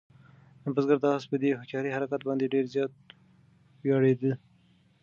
بزګر د آس په دې هوښیار حرکت باندې ډېر زیات وویاړېده.